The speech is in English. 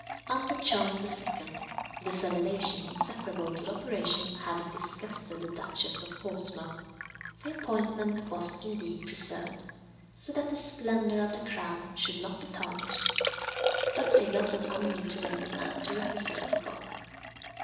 Under Charles II. the salivation inseparable to the operation having disgusted the Duchess of Portsmouth, the appointment was indeed preserved, so that the splendour of the crown should not be tarnished, but they got an unmutilated man to represent the cock.